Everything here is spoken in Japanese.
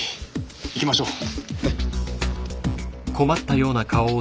行きましょう。ね。